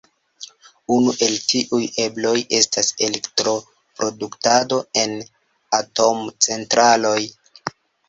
Unu el tiuj ebloj estas elektroproduktado en atomcentraloj.